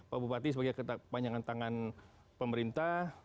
pak bupati sebagai penyelenggaraan pemerintah